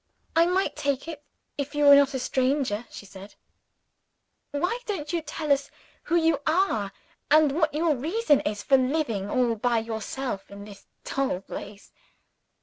"I might take it, if you were not a stranger," she said. "Why don't you tell us who you are, and what your reason is for living all by yourself in this dull place?"